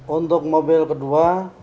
untuk mobil kedua